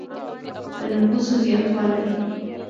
د نفوسو زیاتوالی.